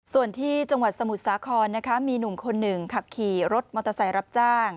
ส่วนที่จังหวัดสมุทรสาครนะคะมีหนุ่มคนหนึ่งขับขี่รถมอเตอร์ไซค์รับจ้าง